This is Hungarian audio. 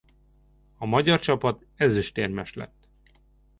A magyar csapat ezüstérmes lett.